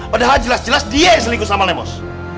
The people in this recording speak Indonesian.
padahal jelas jelas dia yang selingkuh sama lemus